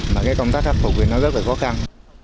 mà cái công tác khắc phục thì nó rất là khó khăn